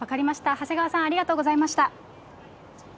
長谷川さん、ありがとうございました。